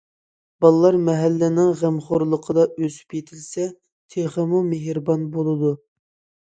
بالىلار مەھەللىنىڭ غەمخورلۇقىدا ئۆسۈپ يېتىلسە، تېخىمۇ مېھرىبان بولىدۇ.